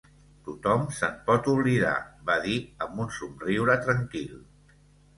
"Tothom se'n pot oblidar", va dir, amb un somriure tranquil.